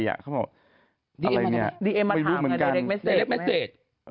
ดีเอ็มมาถามไงไดเร็กเมสเซ็ต